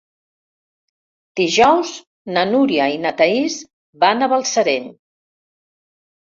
Dijous na Núria i na Thaís van a Balsareny.